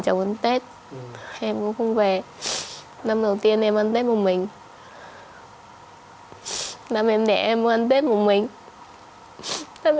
chồng ăn tết em cũng không về năm đầu tiên em ăn tết một mình làm em để em ăn tết một mình